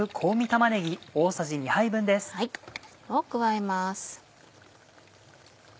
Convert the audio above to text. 加えます。